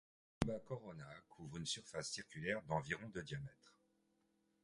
Nimba Corona couvre une surface circulaire d'environ de diamètre.